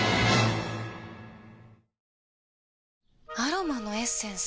アロマのエッセンス？